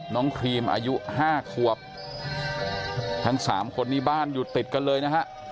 ครีมอายุห้าขวบทั้งสามคนนี้บ้านอยู่ติดกันเลยนะฮะ